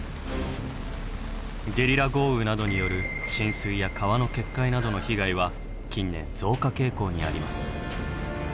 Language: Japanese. ゲリラ豪雨などによる浸水や川の決壊などの被害は近年増加傾向にあります。